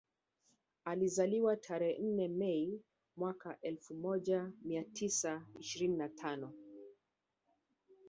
Alizaliwa tarehe nane Mei mwaka elfu moja mia tisa ishirini na tano